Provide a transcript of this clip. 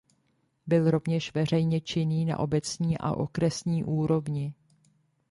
Byl rovněž veřejně činný na obecní a okresní úrovni.